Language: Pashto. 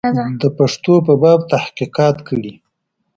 د پښتنو په باب تحقیقات کړي.